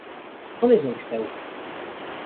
On és el Liceu?